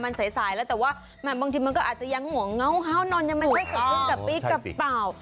มันสายแล้วแต่ว่าบางทีมันก็อาจจะยังหัวเงานอนยังไม่ค่อยเครื่องกะปี้กระเป๋า